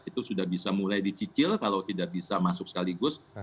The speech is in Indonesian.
itu sudah bisa mulai dicicil kalau tidak bisa masuk sekaligus